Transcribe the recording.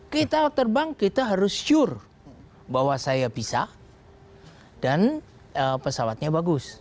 kita terbang kita harus sure bahwa saya bisa dan pesawatnya bagus